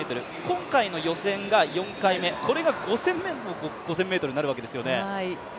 今回の予選が４回目、これが５戦目の５０００ｍになるわけですね。